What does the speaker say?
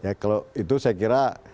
ya kalau itu saya kira